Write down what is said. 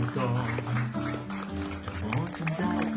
ดีจริง